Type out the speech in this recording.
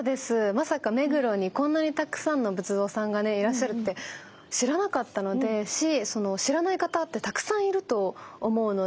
まさか目黒にこんなにたくさんの仏像さんがねいらっしゃるって知らなかったし知らない方ってたくさんいると思うので。